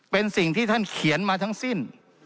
เป็นสิ่งที่ท่านเขียนมาทั้งสิ้น